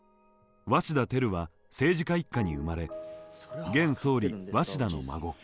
鷲田照は政治家一家に生まれ現総理鷲田の孫。